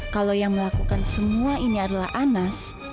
kalau yang melakukan semua ini adalah anas